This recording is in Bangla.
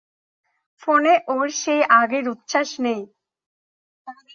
ফোনে ওর সেই আগের উচ্ছ্বাস নেই।